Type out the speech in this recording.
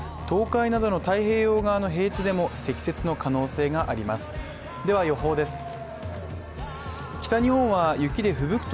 東海などの太平洋側の平地でも積雪の可能性がありますでは予報です。